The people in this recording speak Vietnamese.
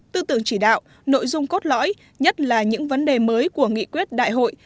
tư tưởng chỉ đạo nội dung cốt lõi nhất là những vấn đề mới của nghị quyết đại hội